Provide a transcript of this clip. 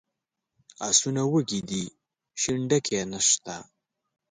آسونه وږي دي شین ډکی نشته.